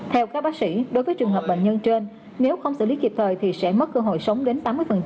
theo các bác sĩ đối với trường hợp bệnh nhân trên nếu không xử lý kịp thời thì sẽ mất cơ hội sống đến tám mươi